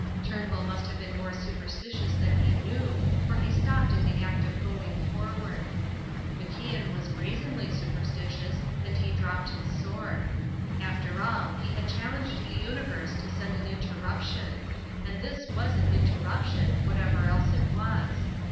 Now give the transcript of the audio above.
Turnbull must have been more superstitious than he knew, for he stopped in the act of going forward. MacIan was brazenly superstitious, and he dropped his sword. After all, he had challenged the universe to send an interruption; and this was an interruption, whatever else it was.